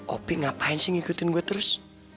oh pi ngapain sih ngikutin gue terus